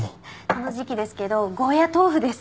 この時季ですけどゴーヤトーフです。